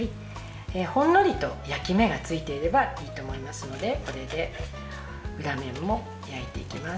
ほんのりと焼き目がついていればいいと思いますのでこれで裏面も焼いていきます。